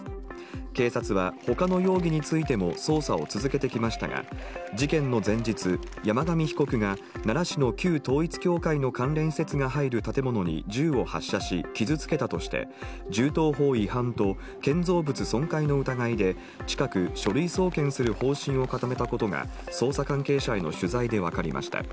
警察はほかの容疑についても捜査を続けてきましたが、事件の前日、山上被告が奈良市の旧統一教会の関連施設が入る建物に銃を発射し、傷つけたとして、銃刀法違反と建造物損壊の疑いで、近く書類送検する方針を固めたことが、捜査関係者への取材で分かりました。